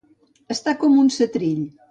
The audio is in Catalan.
Estar com un setrill.